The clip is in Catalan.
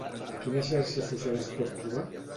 A quina xarxa social es pot trobar?